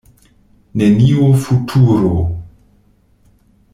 Neniu futuro.